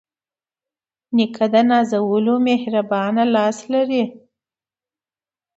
نیکه د نازولو مهربانه لاس لري.